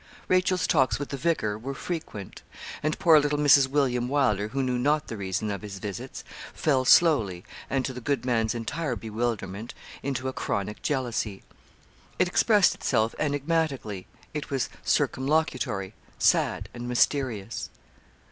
Rachel's talks with the vicar were frequent; and poor little Mrs. William Wylder, who knew not the reason of his visits, fell slowly, and to the good man's entire bewilderment, into a chronic jealousy. It expressed itself enigmatically; it was circumlocutory, sad, and mysterious.